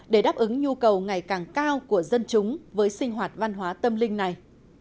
để đáp ứng nhu cầu ngày càng cao của dân chúng với sinh hoạt văn hóa tâm linh này